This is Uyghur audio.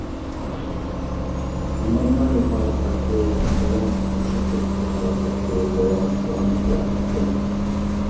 ھامماملار يىغلاۋاتاتتى، مومام قوشاق قېتىپ يىغلاۋاتاتتى، بوۋام قۇرئان ئوقۇۋاتاتتى.